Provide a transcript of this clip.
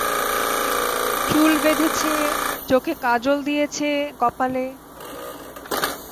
চুল বেঁধেছে, চোখে কাজল দিয়েছে-কপালে।